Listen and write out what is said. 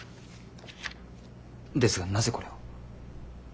ですがなぜこれを？